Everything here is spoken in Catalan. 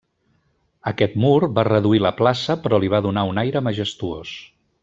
Aquest mur va reduir la plaça però li va donar un aire majestuós.